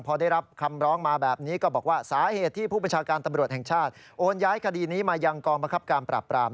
พอได้รับคำร้องมาแบบนี้ก็บอกว่าสาเหตุที่ผู้บัญชาการตำรวจแห่งชาติโอนย้ายคดีนี้มายังกองบังคับการปราบปราม